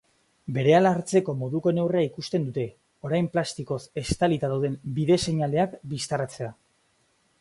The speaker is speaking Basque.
Berehala hartzeko moduko neurria ikusten dute, orain plastikoz estalita dauden bide-seinaleak bistaratzea.